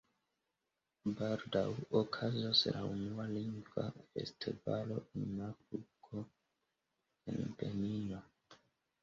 Baldaŭ okazos la unua Lingva Festivalo en Afriko, en Benino.